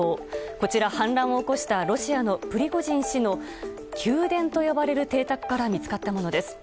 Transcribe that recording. こちら、反乱を起こしたロシアのプリゴジン氏の宮殿と呼ばれる邸宅から見つかったものです。